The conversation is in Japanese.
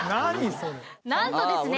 それなんとですね